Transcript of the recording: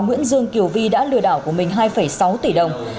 nguyễn dương kiều vi đã lừa đảo của mình hai sáu tỷ đồng